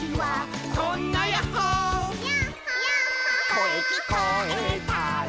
「こえきこえたら」